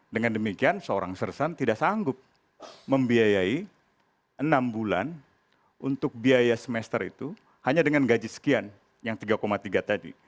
dengan demikian seorang sersan tidak sanggup membiayai enam bulan untuk biaya semester itu hanya dengan gaji sekian yang tiga tiga tadi